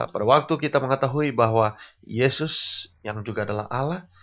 pada waktu kita mengetahui bahwa yesus yang juga adalah ala